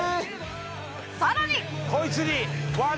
さらに